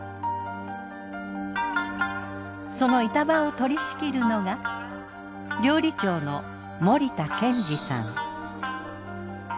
その板場を取り仕切るのが料理長の森田健司さん。